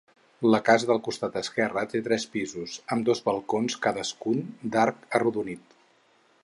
La casa del costat esquerre té tres pisos, amb dos balcons cadascun d'arc arrodonit.